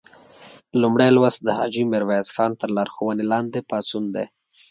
لومړی لوست د حاجي میرویس خان تر لارښوونې لاندې پاڅون دی.